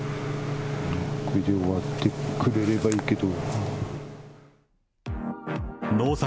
これで終わってくれればいいけど。